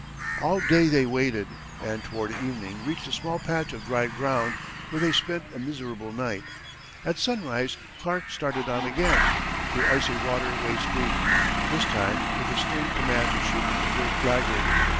All day they waded, and toward evening reached a small patch of dry ground, where they spent a miserable night. At sunrise Clark started on again, through icy water waist deep, this time with the stern command to shoot the first laggard.